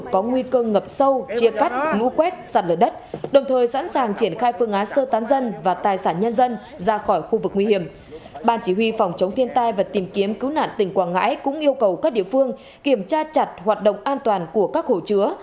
ban chỉ huy phòng chống thiên tai và tìm kiếm cứu nạn tỉnh quảng ngãi cũng yêu cầu các địa phương kiểm tra chặt hoạt động an toàn của các hồ chứa